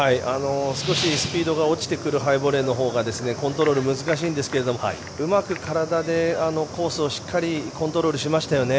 少しスピードが落ちてくるハイボレーのほうがコントロールが難しんですがうまく体でコースをコントロールしましたよね。